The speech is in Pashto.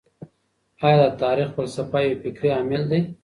ايا د تاريخ فلسفه يو فکري عامل دی؟